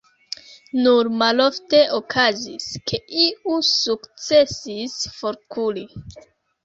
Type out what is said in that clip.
Nur malofte okazis, ke iu sukcesis forkuri.